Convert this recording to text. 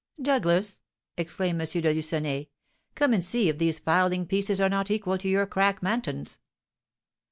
Douglas," exclaimed M. de Lucenay, "come and see if these fowling pieces are not equal to your crack Mantons."